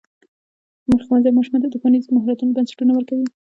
ښوونځی ماشومانو ته د ښوونیزو مهارتونو بنسټونه ورکوي.